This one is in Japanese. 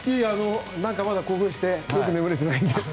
まだ興奮してよく眠れてないので。